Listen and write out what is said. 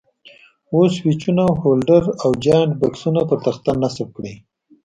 اوس سویچونه، هولډر او جاینټ بکسونه پر تخته نصب کړئ.